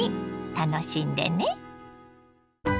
楽しんでね。